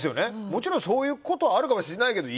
もちろんそういうことはあるかもしれないけど。